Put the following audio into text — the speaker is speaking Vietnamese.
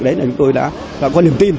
đấy là chúng tôi đã có niềm tin